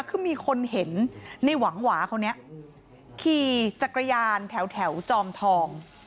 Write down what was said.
คือมีคนเห็นในหวังหวาคนนี้ขี่จักรยานแถวจอมทอง